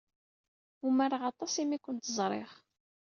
Umareɣ aṭas imi ay kent-ẓriɣ.